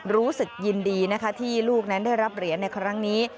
รู้สึกยินดีนะคะที่ลูกนั้นได้รับเหรียญในครั้งนี้